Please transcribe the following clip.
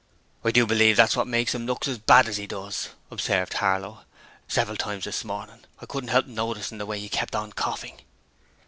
'I do believe that's wot makes 'im look so bad as 'e does,' observed Harlow. 'Several times this morning I couldn't help noticing the way 'e kept on coughing.'